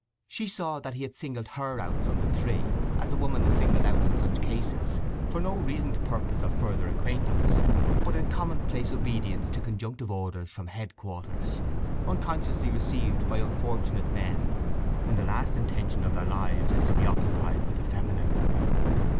She saw that he had singled her out from the three, as a woman is singled out in such cases, for no reasoned purpose of further acquaintance, but in commonplace obedience to conjunctive orders from headquarters, unconsciously received by unfortunate men when the last intention of their lives is to be occupied with the feminine.